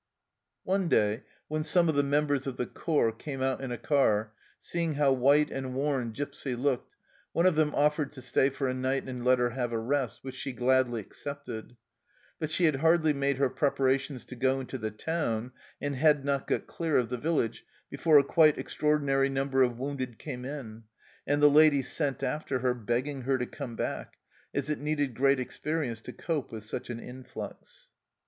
One day, when some of the members of the corps came out in a car, seeing how white and worn Gipsy looked, one of them offered to stay for a night and let her have a rest, which she gladly accepted ; but she had hardly made her prepara tions to go into the town, and had not got clear of the village, before a quite extraordinary number of wounded came in, and the lady sent after her begging her to come back, as it needed great experience to cope with such an influx.